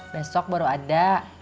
besok baru ada